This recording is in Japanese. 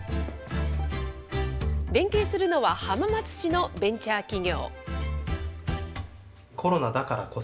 連携するのは浜松市のベンチャー企業。